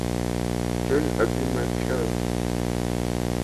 John Obi Mikel